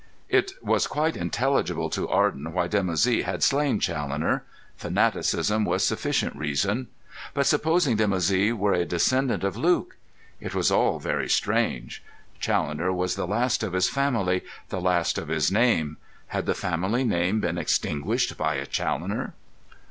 It was quite intelligible to Arden why Dimoussi had slain Challoner. Fanaticism was sufficient reason. But supposing Dimoussi were a descendant of Luke! It was all very strange. Challoner was the last of his family, the last of his name. Had the family name been extinguished by a Challoner?